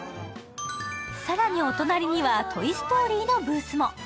更にお隣には、「トイ・ストーリー」のブースも。